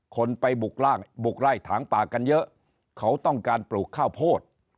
คนไปบุกไล่ถางป่ากันเยอะเขาต้องการปลูกข้าวโพด